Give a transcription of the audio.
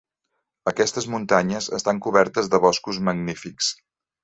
Aquestes muntanyes estan cobertes de boscos magnífics.